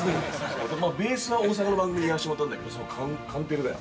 ベースは大阪の番組でやらせてもらったんだけど、カンテレだよ。